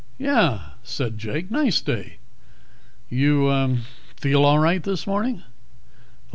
"Yeah," said Jake. "Nice day. You uh feel all right this morning?"